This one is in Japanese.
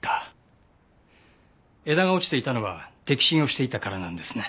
枝が落ちていたのは摘芯をしていたからなんですね。